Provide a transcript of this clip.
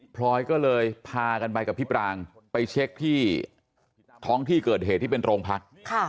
พลอยก็เลยพากันไปกับพี่ปรางไปเช็คที่ท้องที่เกิดเหตุที่เป็นโรงพัก